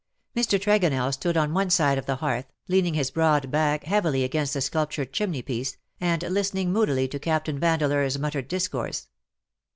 Mr. Tregonell stood on one side of the hearth, leaning his broad back heavily against the sculptured chimney piece, and listening moodily to Captain Vandeleur^s muttered discourse.